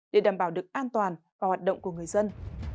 để đảm bảo được an toàn và hoạt động của người dân